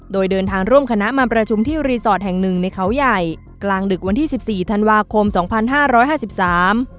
โดยเดินทางร่วมคณะมาประชุมที่รีสอร์ทแห่งหนึ่งในเขาใหญ่กลางดึกวันที่สิบสี่ธันวาคมสองพันห้าร้อยห้าสิบสาม